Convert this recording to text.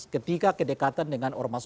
ketika kedekatan dengan ormas